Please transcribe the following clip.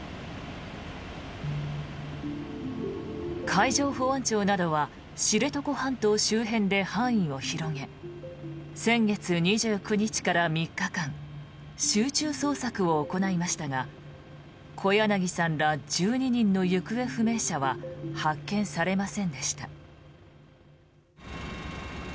海上保安庁などは知床半島周辺で範囲を広げ先月２９日から３日間集中捜索を行いましたが小柳さんら１２人の行方不明者は発見されませんでした。